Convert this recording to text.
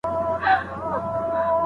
خلګ به دا خبري هېرې نه کړي.